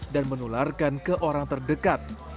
dan menularkan ke orang terdekat